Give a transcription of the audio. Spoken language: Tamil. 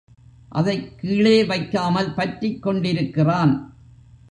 அதைக் கீழே வைக்காமல் பற்றிக் கொண்டிருக்கிறான்.